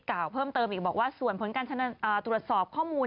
กล่าวเพิ่มเติมอีกบอกว่าส่วนผลการตรวจสอบข้อมูล